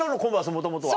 もともとは。